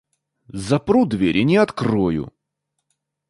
Запру дверь и не открою.